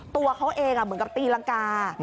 ตัวเขาเองเหมือนกับตีรังกา